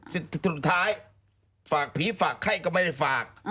สุดท้ายฝากผีฝากไข้ก็ไม่ได้ฝาก